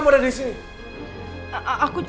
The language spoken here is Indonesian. ngapain kamu udah di sini